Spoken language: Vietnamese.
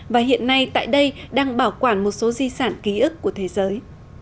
và hiện nay tại đây đang bảo quản một số di sản ký ức của thế giới